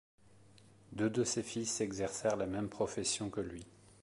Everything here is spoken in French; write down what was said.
Deux de ses fils exercèrent la même profession que lui.